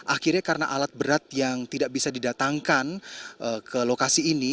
akhirnya karena alat berat yang tidak bisa didatangkan ke lokasi ini